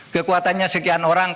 kekuatannya sekian orang